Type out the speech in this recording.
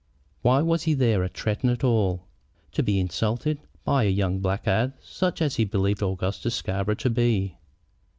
Why was he there at Tretton at all, to be insulted by a young blackguard such as he believed Augustus Scarborough to be?